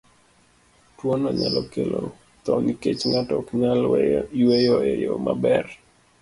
Tuwono nyalo kelo tho nikech ng'ato ok nyal yweyo e yo maber.